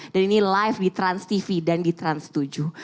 dan ini live di transtv dan di trans tujuh u